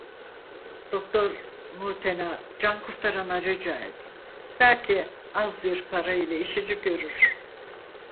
Doktor Mutena Cankurtaran'a rica et, belki az bir para ile işini görür.